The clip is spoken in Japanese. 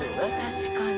確かに。